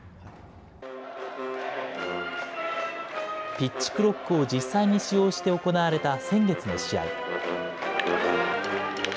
ピッチクロックを実際に使用して行われた先月の試合。